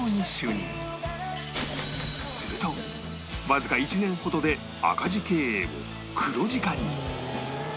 するとわずか１年ほどで赤字経営を黒字化に